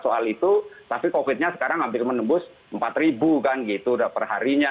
soal itu tapi covid nya sekarang hampir menembus empat ribu kan gitu perharinya